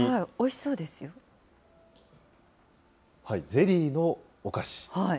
ゼリーのお菓子。